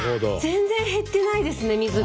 全然減ってないですね水が。